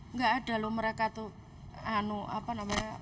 enggak ada loh mereka tuh